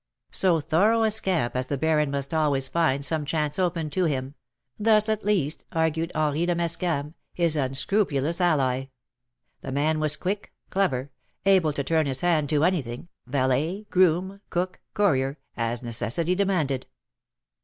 So thorough a scamp as the Baron must always find some chance open to him — thus, at least, argued Henri le Mescam, his unscrupulous ally. The man was quick, clever — able to turn his hand to anything — valet, groom, cook, courier — as necessity demanded.